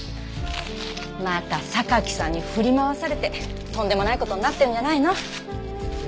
また榊さんに振り回されてとんでもない事になってるんじゃないの？